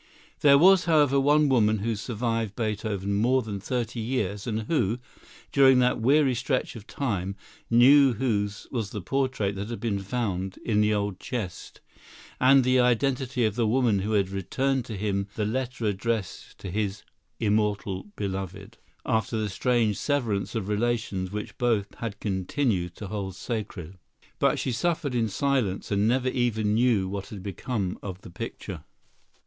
There was, however, one woman, who survived Beethoven more than thirty years, and who, during that weary stretch of time, knew whose was the portrait that had been found in the old chest and the identity of the woman who had returned to him the letter addressed to his "Immortal Beloved," after the strange severance of relations which both had continued to hold sacred. But she suffered in silence, and never even knew what had become of the picture.